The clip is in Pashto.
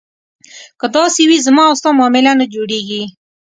که داسې وي زما او ستا معامله نه جوړېږي.